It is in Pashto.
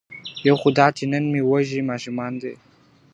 یو خو دا چي نن مي وږي ماشومان دي .